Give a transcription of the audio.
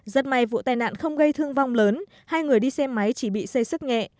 rất may vụ tai nạn không gây thương vong lớn hai người đi xe máy chỉ bị xây sức nhẹ